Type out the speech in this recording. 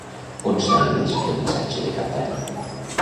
On s'ha emès el missatge de Cap d'Any?